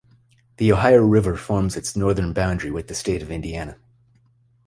The Ohio River forms its northern boundary with the state of Indiana.